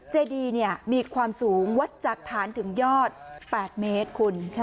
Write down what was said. เจดีมีความสูงวัดจากฐานถึงยอด๘เมตรคุณ